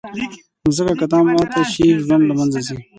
مځکه که ماته شي، ژوند له منځه ځي.